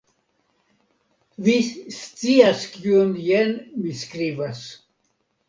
Vi scias kion jen mi skribas!